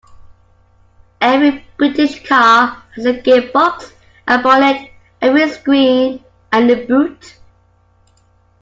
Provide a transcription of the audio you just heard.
Every British car has a gearbox, a bonnet, a windscreen, and a boot